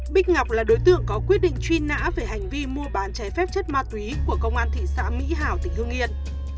bích ngọc là đối tượng có quyết định truy nã về hành vi mua bán trái phép chất ma túy của công an thị xã mỹ hảo tỉnh hương yên